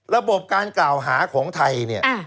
ระบบการกล่าวหาของไทยเนี่ย